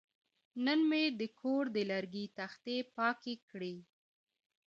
نن مې د کور د لرګي تختې پاکې کړې.